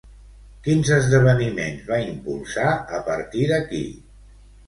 Quins esdeveniments va impulsar a partir d'aquí?